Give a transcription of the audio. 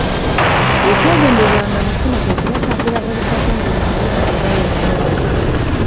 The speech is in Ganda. Ekyagendererwanga mu kino kwe kubatangira obutakombooza mayisa kugaleeta waka.